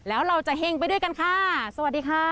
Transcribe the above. แล้วเราจะเห็งไปด้วยกันค่ะสวัสดีค่ะ